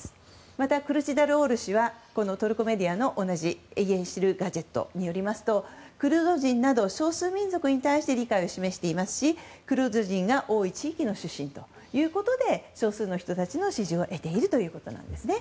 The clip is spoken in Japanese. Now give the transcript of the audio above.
また、クルチダルオール氏はトルコメディアのイェシルガジェットによりますとクルド人など少数民族に対して理解を示していますしクルド人が多い地域の出身ということで少数の人たちの支持を得ているということなんです。